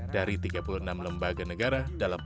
dari tiga puluh enam lembaga negara dalam penelitian terorisme